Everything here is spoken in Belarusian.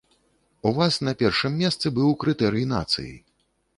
У вас на першым месцы быў крытэрый нацыі.